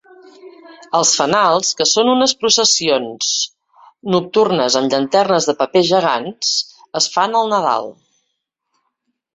Els "Fanals", que són unes processions nocturnes amb llanternes de paper gegants, es fan al Nadal.